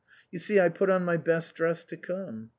You see I put on my best dress to come.